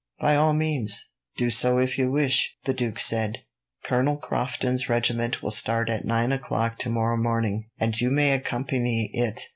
"By all means, do so if you wish it," the duke said. "Colonel Crofton's regiment will start at nine o'clock tomorrow morning, and you may accompany it.